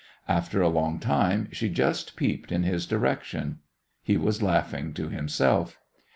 After a long time she just peeped in his direction. He was laughing to himself.